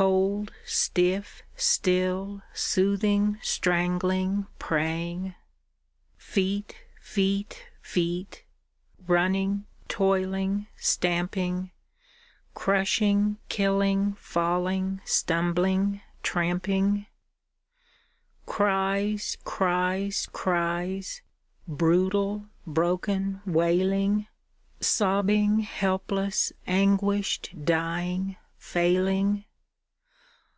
Cold, stiff, still, soothing, strangling, praying. Feet, feet, feet, running, toiling, stamping, Crushin/?, kiUinir, faUinsr, stimiblinir, tramping. Cries, Is, criel brutal broken, wSling. Sobbing, helpless, anguished, dying, failing.